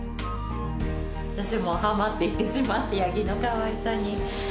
私も、はまっていってしまって、ヤギのかわいさに。